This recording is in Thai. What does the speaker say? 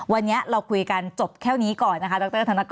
วันนี้เราคุยกันจบแค่นี้ก่อนนะคะดรธนกร